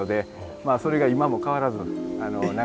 まあそれが今も変わらず流れていると。